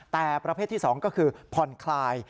แต่ประเภทที่สองก็คือพรคลาย